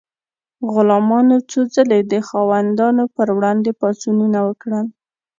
غلامانو څو ځلې د خاوندانو پر وړاندې پاڅونونه وکړل.